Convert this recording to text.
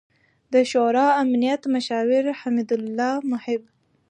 ، د شورای امنیت مشاور حمد الله محب